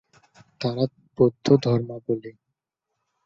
তারা বৌদ্ধ ধর্মাবলম্বী।